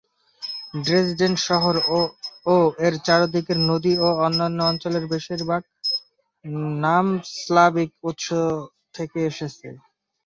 Dresden শহর ও এর চারদিকের নদী ও অন্যান্য অঞ্চলের বেশিরভাগ নাম স্লাভিক উৎস থেকে এসেছে।